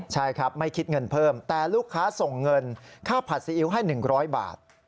ใช่ครับไม่คิดเงินเพิ่มแต่ลูกค้าส่งเงินค่าผัดซีอิ๊วให้๑๐๐บาท